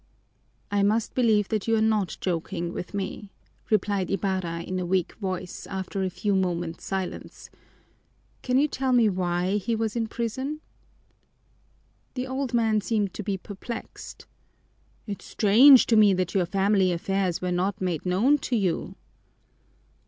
"I must believe that you are not joking with me," replied Ibarra in a weak voice, after a few moments' silence. "Can you tell me why he was in prison?" The old man seemed to be perplexed. "It's strange to me that your family affairs were not made known to you."